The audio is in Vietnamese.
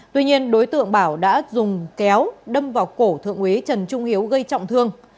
tuy nhiên đối tượng bảo đã dùng kéo đâm vào cổ thượng úy trần trung hiếu gây trọng thương